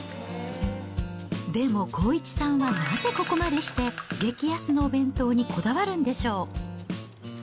でも康一さんは、なぜここまでして、激安のお弁当にこだわるんでしょう。